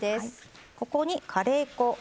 ここにカレー粉。